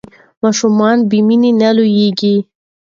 ماشومان بې مینې نه لویېږي.